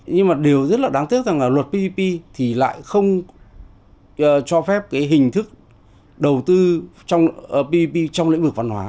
nhưng mà điều rất là đáng tiếc là luật ppp thì lại không cho phép hình thức đầu tư ppp trong lĩnh vực văn hóa